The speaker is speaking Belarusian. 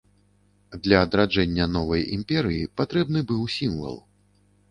Для адраджэння новай імперыі патрэбны быў сімвал.